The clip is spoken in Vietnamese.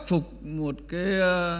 phục một cái